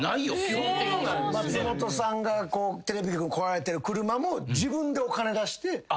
松本さんがテレビ局来られてる車も自分でお金出して。